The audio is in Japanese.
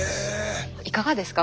いかがですか？